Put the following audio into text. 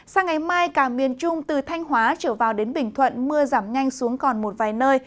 sang ngày mai cả miền trung từ thanh hóa trở vào đến bình thuận mưa giảm nhanh xuống còn một vài nơi